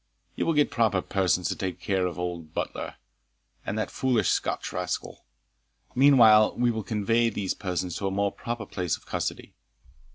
You will get proper persons to take care of old butler, and that foolish Scotch rascal. Meanwhile we will convey these persons to a more proper place of custody.